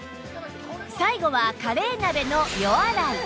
最後はカレー鍋の予洗い